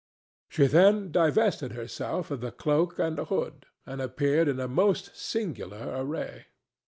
She then divested herself of the cloak and hood, and appeared in a most singular array.